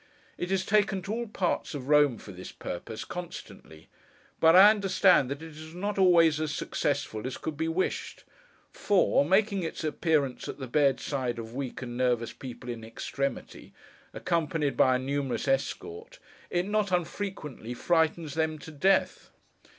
It is taken to all parts of Rome for this purpose, constantly; but, I understand that it is not always as successful as could be wished; for, making its appearance at the bedside of weak and nervous people in extremity, accompanied by a numerous escort, it not unfrequently frightens them to death.